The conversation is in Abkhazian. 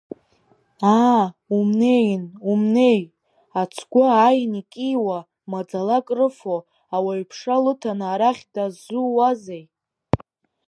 Аа, умнеин умнеи, ацгәы ааиган икьиуа, маӡала крыфо, ауаҩ ԥшра лыҭаны арахь дазууазеи?